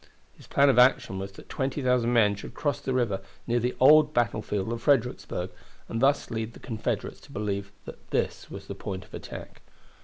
His plan of action was that 20,000 men should cross the river near the old battlefield of Fredericksburg, and thus lead the Confederates to believe that this was the point of attack.